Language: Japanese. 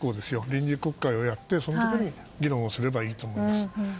臨時国会をやって、その時に議論をすればいいと思うんです。